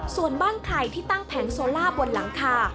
ส่วนบ้านใครที่ตั้งแผงโซล่าบนหลังคา